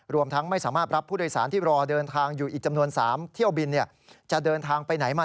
รวมทั้งไม่สามารถรับผู้โดยสารที่รอเดินทางอยู่อีกจำนวน๓เที่ยวบิน